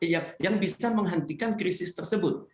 karena hanya putin yang bisa menghentikan krisis rusia